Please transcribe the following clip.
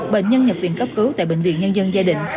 bệnh nhân nhập viện cấp cứu tại bệnh viện nhân dân gia đình